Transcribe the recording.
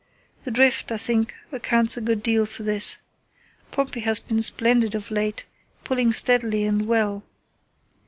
The drift, I think, accounts a good deal for this. Pompey has been splendid of late, pulling steadily and well.